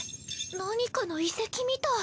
何かの遺跡みたい。